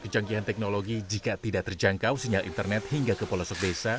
kecanggihan teknologi jika tidak terjangkau sinyal internet hingga ke pelosok desa